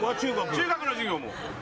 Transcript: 中学の授業も？